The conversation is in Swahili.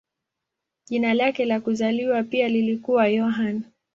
Jina lake la kuzaliwa pia lilikuwa Yohane.